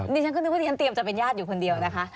ดิฉันก็นึกว่าดิฉันเตรียมจะเป็นญาติอยู่คนเดียวนะคะ